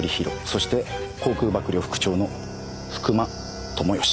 そして航空幕僚副長の福間知義。